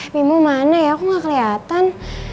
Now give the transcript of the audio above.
bimo mana ya kok gak kelihatan